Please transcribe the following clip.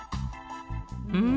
うん。